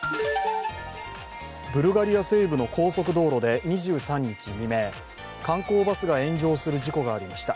ブルガリア西部の高速道路で２３日未明、観光バスが炎上する事故がありました。